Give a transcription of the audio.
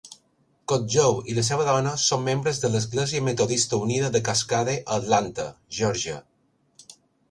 Kodjoe i la seva dona són membres de l'església metodista Unida de Cascade a Atlanta, Georgia.